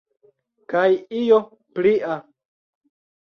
Kaj io plia.